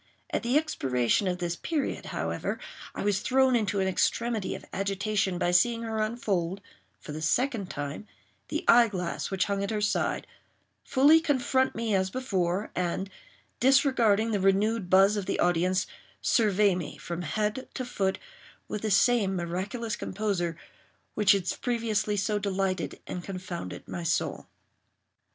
At the expiration of this period, however, I was thrown into an extremity of agitation by seeing her unfold, for the second time, the eye glass which hung at her side, fully confront me as before, and, disregarding the renewed buzz of the audience, survey me, from head to foot, with the same miraculous composure which had previously so delighted and confounded my soul.